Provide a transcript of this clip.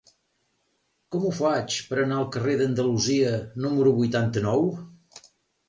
Com ho faig per anar al carrer d'Andalusia número vuitanta-nou?